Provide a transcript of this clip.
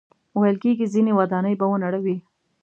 ویل کېږي ځینې ودانۍ به ونړوي.